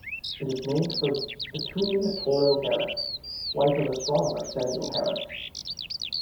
It is named for Betulia Toro Herrick, wife of astronomer Samuel Herrick.